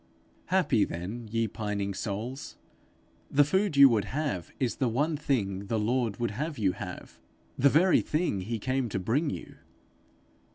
Happy, then, ye pining souls! The food you would have, is the one thing the Lord would have you have, the very thing he came to bring you!